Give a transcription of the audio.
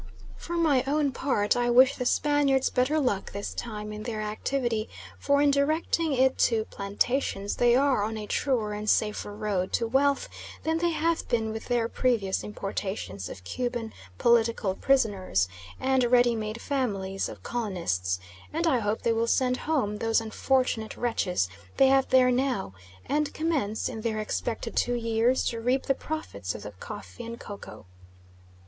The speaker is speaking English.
For my own part, I wish the Spaniards better luck this time in their activity, for in directing it to plantations they are on a truer and safer road to wealth than they have been with their previous importations of Cuban political prisoners and ready made families of colonists, and I hope they will send home those unfortunate wretches they have there now, and commence, in their expected two years, to reap the profits of the coffee and cocoa.